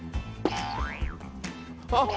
あっ。